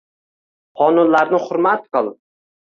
Qonunlarni hurmat qil!